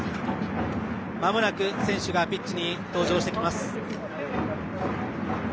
まもなく選手がピッチに登場してきます。